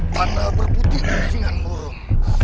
tanah berputih dengan murung